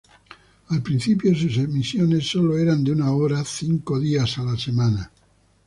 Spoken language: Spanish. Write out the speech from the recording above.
Al principio sus emisiones solo eran de una hora cinco días a la semana.